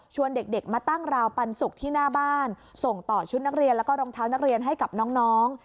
เด็กมาตั้งราวปันสุกที่หน้าบ้านส่งต่อชุดนักเรียนแล้วก็รองเท้านักเรียนให้กับน้อง